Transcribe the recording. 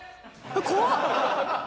怖っ！